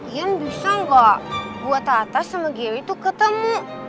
iyan bisa nggak buat tata sama geri tuh ketemu